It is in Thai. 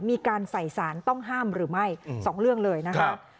มีการใส่สารต้องห้ามหรือไม่๒เรื่องเลยนะคะ